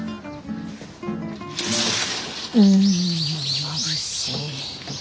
んまぶしい。